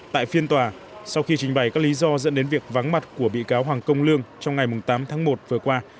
tại phiên tòa sau khi trình bày các lý do dẫn đến việc vắng mặt của bị cáo hoàng công lương trong ngày tám tháng một vừa qua